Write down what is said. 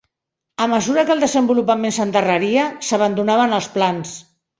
A mesura que el desenvolupament s'endarreria, s'abandonaven els plans.